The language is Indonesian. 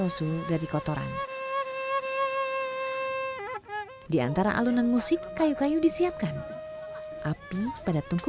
dan mensucikan nasi rosul dari kotoran diantara alunan musik kayu kayu disiapkan api pada tungku